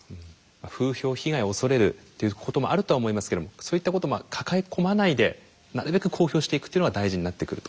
風評被害を恐れるっていうこともあるとは思いますけどもそういったことまあ抱え込まないでなるべく公表していくっていうのが大事になってくると。